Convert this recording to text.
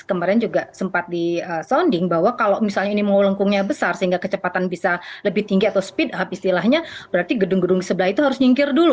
kemarin juga sempat disonding bahwa kalau misalnya ini mau lengkungnya besar sehingga kecepatan bisa lebih tinggi atau speed up istilahnya berarti gedung gedung sebelah itu harus nyingkir dulu